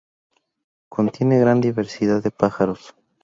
Contiene gran diversidad de pájaros.